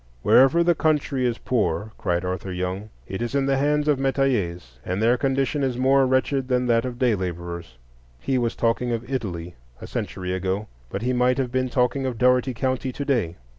"Wherever the country is poor," cried Arthur Young, "it is in the hands of metayers," and "their condition is more wretched than that of day laborers." He was talking of Italy a century ago; but he might have been talking of Dougherty County to day.